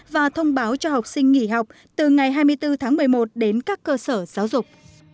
và thông báo cho học sinh nghỉ học từ ngày hai mươi bốn tháng một mươi một đến các cơ sở giáo dục